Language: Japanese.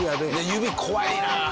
指怖いなあ。